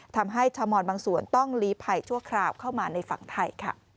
ทำให้ชาวมอนบางส่วนต้องลีภัยชั่วคราวเข้ามาในฝั่งไทย